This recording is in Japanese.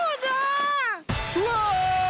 うわ！！